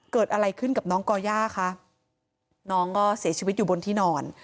เกิดอะไรขึ้นกับน้องก่อย่าคะน้องก็เสียชีวิตอยู่บนที่นอน